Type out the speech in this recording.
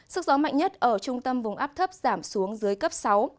sức gió mạnh nhất ở trung tâm vùng áp thấp giảm xuống dưới cấp sáu